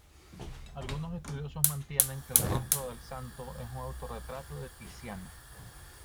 Algunos estudiosos mantienen que el rostro del santo es un autorretrato de Tiziano.